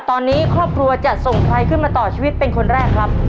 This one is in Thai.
ตอนนี้ครอบครัวจะส่งใครขึ้นมาต่อชีวิตเป็นคนแรกครับ